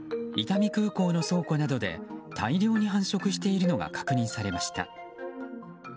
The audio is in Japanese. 伊丹空港の倉庫などで大量に繁殖しているのが確認されました。